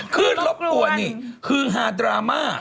คือรบกลัวนี่คือฮาดราม่า